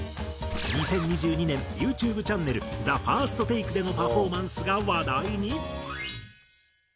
２０２２年ＹｏｕＴｕｂｅチャンネル「ＴＨＥＦＩＲＳＴＴＡＫＥ」でのパフォーマンスが話題に。